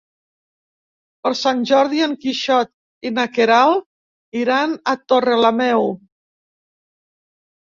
Per Sant Jordi en Quixot i na Queralt iran a Torrelameu.